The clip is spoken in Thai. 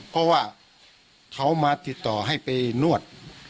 เพราะว่าเขามาติดต่อให้ไปนวด